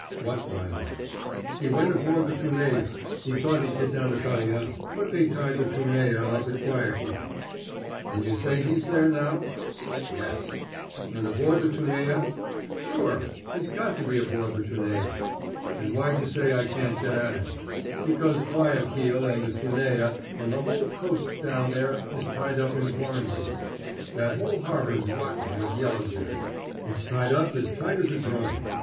"What liner?" "He went aboard the Trunella. He thought he'd get down to Callao. But they tied the Trunella up at Guayaquil." "And you say he's there now?" "Yes!" "And aboard the Trunella?" "Sure! He's got to be aboard the Trunella!" "Then why d' you say I can't get at him?" "Because Guayaquil and the Trunella and the whole coast down there is tied up in quarantine. That whole harbor's rotten with yellow jack. It's tied up as tight as a drum.